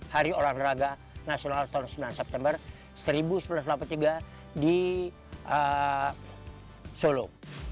hari olahraga nasional tahun sembilan september seribu sembilan ratus delapan puluh tiga di solo